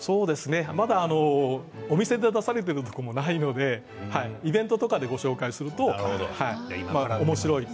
まだお店で出されているところもないのでイベントとかでご紹介するとおもしろいと。